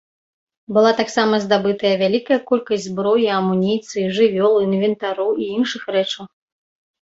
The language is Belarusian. Была таксама здабытая вялікая колькасць зброі, амуніцыі, жывёл, інвентару і іншых рэчаў.